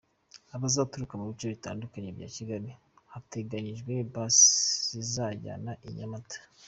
Abazaturuka mu bice bitandukanye bya Kigali, hateganyijwe Bus zizabajyana i Nyamata.